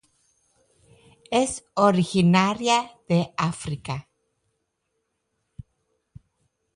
Es Originaria de África.